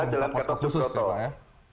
adalah posko khusus ya pak ya